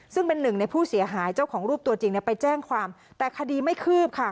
ซึ่งเป็นหนึ่งในผู้เสียหายเจ้าของรูปตัวจริงไปแจ้งความแต่คดีไม่คืบค่ะ